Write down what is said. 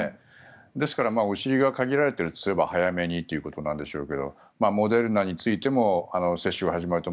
ですからお尻が限られているとすれば早めにということなんでしょうけどモデルナについても接種が始まると。